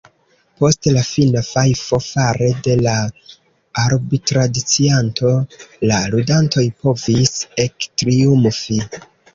Post la fina fajfo fare de la arbitracianto, la ludantoj povis ektriumfi.